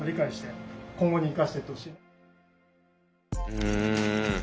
うん。